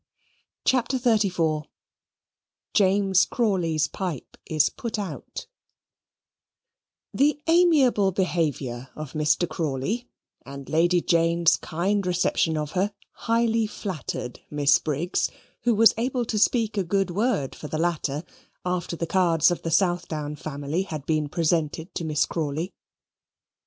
CHAPTER XXXIV James Crawley's Pipe Is Put Out The amiable behaviour of Mr. Crawley, and Lady Jane's kind reception of her, highly flattered Miss Briggs, who was enabled to speak a good word for the latter, after the cards of the Southdown family had been presented to Miss Crawley.